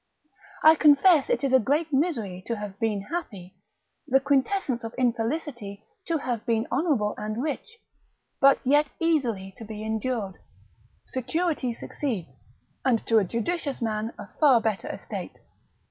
I confess it is a great misery to have been happy, the quintessence of infelicity, to have been honourable and rich, but yet easily to be endured: security succeeds, and to a judicious man a far better estate.